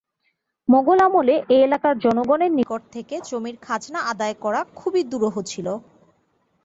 মোগল আমলে এ এলাকার জনগণের নিকট থেকে জমির খাজনা আদায় করা খুবই দুরূহ ছিল।